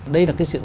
đây là cái sự